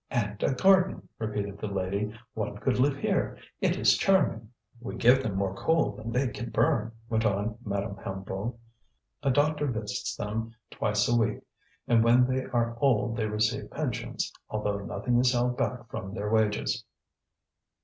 "And a garden!" repeated the lady. "One could live here! It is charming!" "We give them more coal than they can burn," went on Madame Hennebeau. "A doctor visits them twice a week; and when they are old they receive pensions, although nothing is held back from their wages."